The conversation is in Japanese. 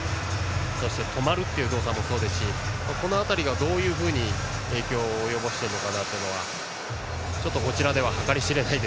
そして止まるという動作もそうですしこの辺りがどういうふうに影響を及ぼしているのかはちょっとこちらでは計り知れません。